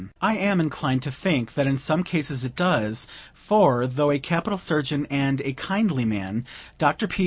I am inclined to think that in some cases it does; for, though a capital surgeon and a kindly man, Dr. P.